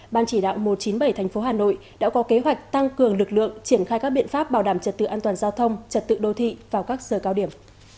ban chỉ đạo một trăm chín mươi bảy tp hà nội đã có kế hoạch tăng cường lực lượng triển khai các biện pháp bảo đảm trật tự an toàn giao thông trật tự đô thị vào các giờ cao điểm